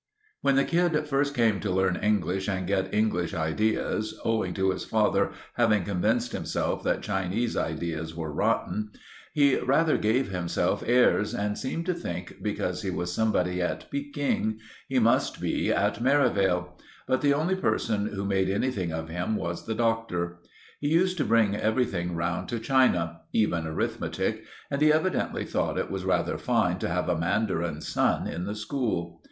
When the kid first came to learn English and get English ideas—owing to his father having convinced himself that Chinese ideas were rotten—he rather gave himself airs, and seemed to think because he was somebody at Pekin he must be at Merivale; but the only person who made anything of him was the Doctor. He used to bring everything round to China—even arithmetic, and he evidently thought it was rather fine to have a mandarin's son in the school.